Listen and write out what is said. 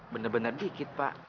bener bener dikit pak